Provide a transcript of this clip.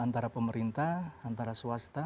antara pemerintah antara swasta